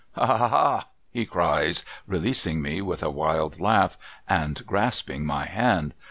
' Ha, ha, ha !' he cries, releasing me with a wild laugh, and grasping my hand.